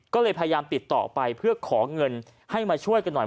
ก็เลยพยายามติดต่อไปเพื่อขอเงินให้มาช่วยกันหน่อย